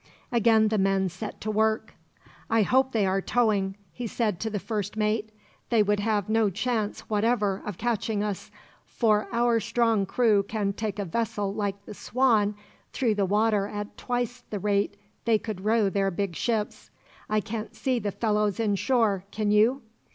Again the men set to work. "I hope they are towing," he said to the first mate. "They would have no chance whatever of catching us, for our strong crew can take a vessel like the Swan through the water at twice the rate they could row their big ships. I can't see the fellows in shore, can you?"